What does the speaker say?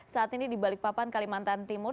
saat ini di balikpapan kalimantan timur